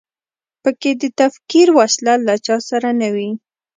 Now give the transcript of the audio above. په کې د تکفیر وسله له چا سره نه وي.